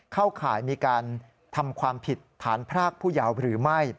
ข่ายมีการทำความผิดฐานพรากผู้ยาวหรือไม่